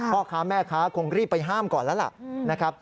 พ่อค้าแม่ค้าคงรีบไปห้ามก่อนแล้วล่ะนะครับ